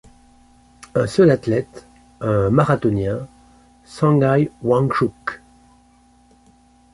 Un seul athlète, un marathonien, Sangay Wangchuk.